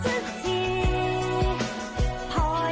พอได้แล้วค่ะซิสหยุดคิดถึงคนใจร้ายอย่างเขาสักที